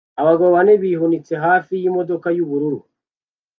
Abagabo bane bihunitse hafi yimodoka yubururu